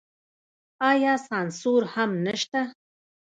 آیا سانسور هم نشته؟